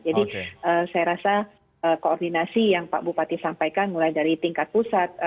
jadi saya rasa koordinasi yang pak bupati sampaikan mulai dari tingkat pusat